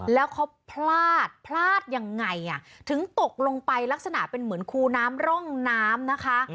แล้วเขาพลาดพลาดยังไงอ่ะถึงตกลงไปลักษณะเป็นเหมือนคูน้ำร่องน้ำนะคะ